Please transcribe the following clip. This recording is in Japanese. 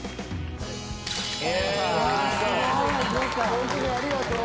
ホントにありがとう。